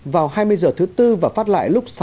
vào hai mươi h thứ bốn và phát lại lúc